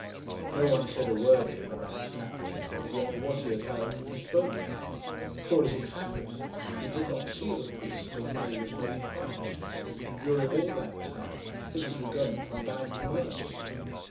No one said a word to him about the Captain beyond what he had heard from his boatman. For, as it happened, he did not see the priest till May was nearly past, and during all that time things were going from bad to worse.